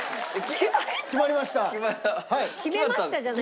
「決めました」じゃない？